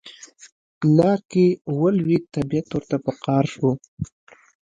لار کې ولوید طبیعت ورته په قار شو.